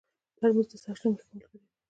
ترموز د سخت ژمي ښه ملګری دی.